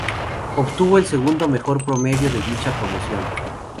Obtuvo el segundo mejor promedio de dicha promoción.